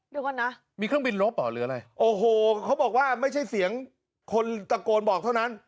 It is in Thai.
เดี๋ยวก่อนนะมีเครื่องบินลบเหรอหรืออะไรโอ้โหเขาบอกว่าไม่ใช่เสียงคนตะโกนบอกเท่านั้น